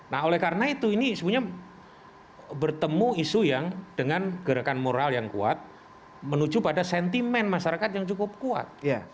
nah oleh karena itu ini sebenarnya bertemu isu yang dengan gerakan moral yang kuat menuju pada sentimen masyarakat yang cukup kuat